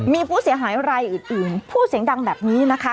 มีผู้เสียหายรายอื่นพูดเสียงดังแบบนี้นะคะ